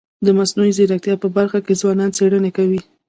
د مصنوعي ځیرکتیا په برخه کي ځوانان څېړني کوي.